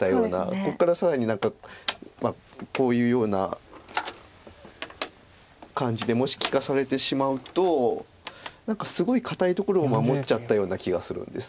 ここから更に何かこういうような感じでもし利かされてしまうと何かすごい堅いところを守っちゃったような気がするんです。